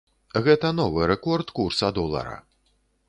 Гэта новы рэкорд курса долара.